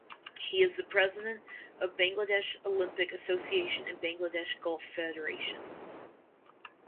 He is the President of Bangladesh Olympic Association and Bangladesh Golf Federation.